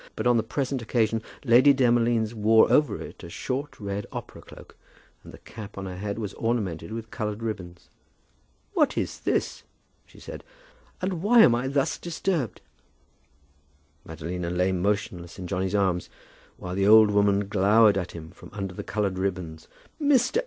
But on the present occasion Lady Demolines wore over it a short red opera cloak, and the cap on her head was ornamented with coloured ribbons. "What is this," she said, "and why am I thus disturbed?" Madalina lay motionless in Johnny's arms, while the old woman glowered at him from under the coloured ribbons. "Mr.